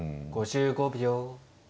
５５秒。